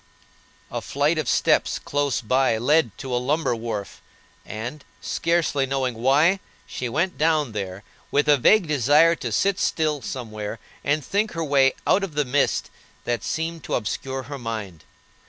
A flight of steps close by led to a lumber wharf, and, scarcely knowing why, she went down there, with a vague desire to sit still somewhere, and think her way out of the mist that seemed to obscure her mind.